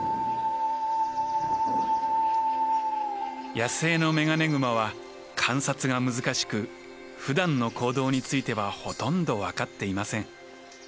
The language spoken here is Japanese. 野生のメガネグマは観察が難しくふだんの行動についてはほとんど分かっていません。